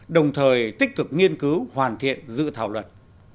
đồng thời tích cực nghiên cứu hoàn thiện dự thảo luật